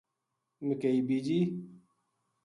مکئی بیجی